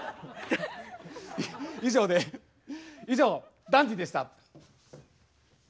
以上で以上ダンディでした。